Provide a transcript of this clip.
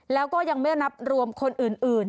แล้วก็ยังไม่นับรวมคนอื่น